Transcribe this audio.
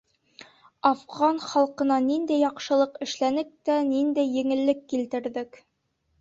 Афған халҡына ниндәй яҡшылыҡ эшләнек тә ниндәй еңеллек килтерҙек?